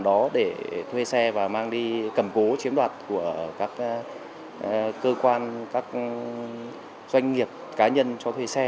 đó để thuê xe và mang đi cầm cố chiếm đoạt của các cơ quan các doanh nghiệp cá nhân cho thuê xe